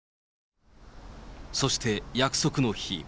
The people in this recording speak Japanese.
そして約束の日。